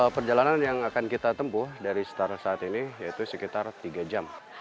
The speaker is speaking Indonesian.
perjalanan yang akan kita tempuh dari setara saat ini yaitu sekitar tiga jam